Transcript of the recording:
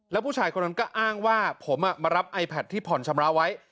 แล้วผู้ชายคนนั้นก็อ้างว่าผมมารับไอแพทที่ผ่อนชำระไว้